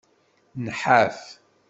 Nḥaf.